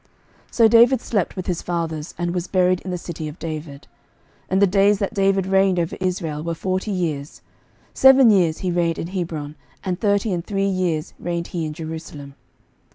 11:002:010 So David slept with his fathers, and was buried in the city of David. 11:002:011 And the days that David reigned over Israel were forty years: seven years reigned he in Hebron, and thirty and three years reigned he in Jerusalem.